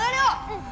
うん！